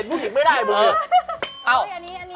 มึงไม่เห็นผู้หญิงไม่ได้